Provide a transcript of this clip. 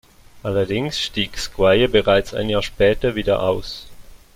Allerdings stieg Squire bereits ein Jahr später wieder aus.